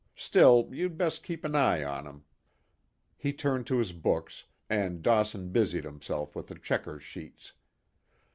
Still, you'd best keep an eye on him." He turned to his books, and Dawson busied himself with the checkers' sheets.